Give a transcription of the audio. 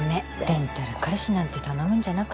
レンタル彼氏なんて頼むんじゃなかった。